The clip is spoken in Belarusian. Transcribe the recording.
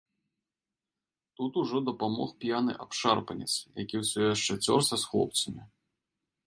Тут ужо дапамог п'яны абшарпанец, які ўсё яшчэ цёрся з хлопцамі.